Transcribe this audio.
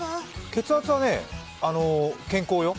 血圧はね、健康よ。